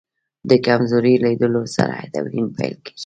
د کمزوري لیدلو سره توهین پیل کېږي.